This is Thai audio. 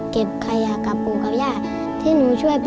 แค่คนของฮะ